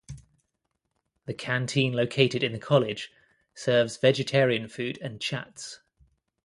The canteen located in the college serves vegetarian food and chats.